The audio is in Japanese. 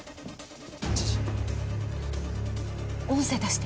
知事音声出して！